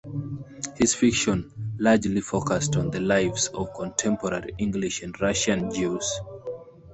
His fiction largely focused on the lives of contemporary English and Russian Jews.